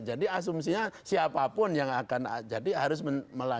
jadi asumsinya siapapun yang akan jadi harus melanjutkan